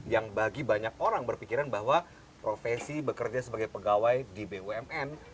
yang bagi banyak orang berpikiran bahwa profesi bekerja sebagai pegawai di bumn